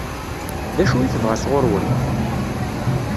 D acu i tebɣa sɣur-wen?